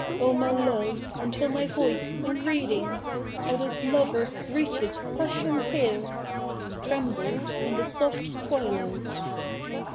Oh my love, until my voice, in reading Haio those lovers greeted 'passion pale,'' Trembled in the soft twilight.